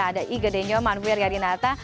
ada iga denyoman weryadinata